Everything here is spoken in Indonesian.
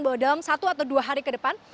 bahwa dalam satu atau dua hari ke depan